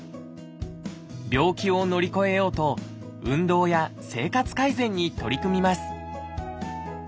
病気を乗り越えようと運動や生活改善に取り組みます